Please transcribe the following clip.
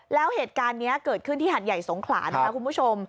แล้วเหตุการณ์นี้เกิดขึ้นที่หัดใหญ่สงขลานะคะคุณผู้ชม